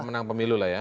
pemenang pemilu lah ya